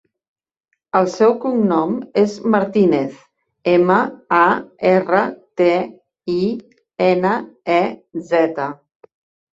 El seu cognom és Martinez: ema, a, erra, te, i, ena, e, zeta.